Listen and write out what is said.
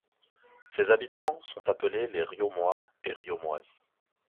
Ses habitants sont appelés les Riomois et Riomoises.